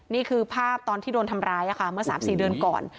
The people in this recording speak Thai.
นี่คือภาพตอนที่โดนทำร้ายเมื่อ๓๔เดือนก่อน